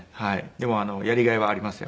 でもやりがいはあります